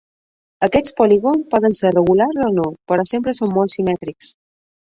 Aquests polígons poden ser regulars o no, però sempre són molt simètrics.